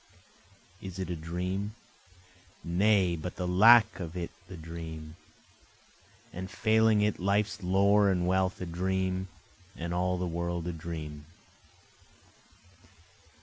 Is it a dream? Nay but the lack of it the dream, And failing it life's lore and wealth a dream, And all the world a dream.